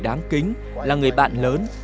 đáng kính là người bạn lớn